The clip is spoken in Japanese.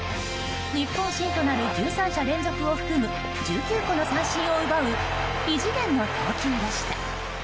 日本新となる１３者連続を含む１９個の三振を奪う異次元の投球でした。